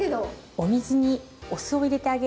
お水にお酢を入れてあげると。